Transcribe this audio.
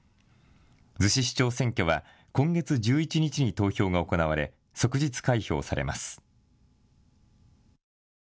逗子市長選挙は今月１１日に投票が行われ、即日開票されます。